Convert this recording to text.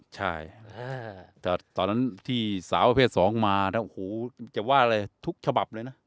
ใช่แต่ตอนนั้นที่สาวเพศ๒มาจะว่าเลยทุกฉบับเลยนะ